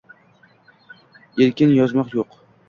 эркин ёзмоқ йўқ.